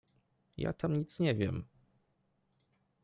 — Ja tam nic nie wiem…